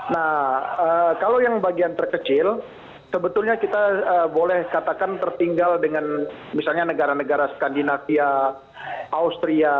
nah kalau yang bagian terkecil sebetulnya kita boleh katakan tertinggal dengan misalnya negara negara skandinavia austria